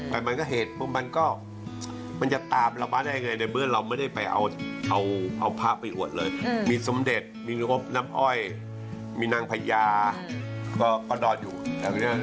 เป็นทั้งนายกสมาคมศิลปินตรกมาก่อนนั้น